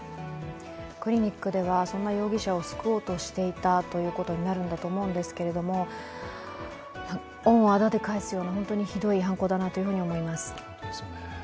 クリニックではそんな容疑者を救おうとしていたということになるんだと思いますけれども恩をあだで返すような、本当にひどい犯行だなと思います。